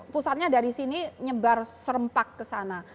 pusatnya dari sini nyebar serempak ke sana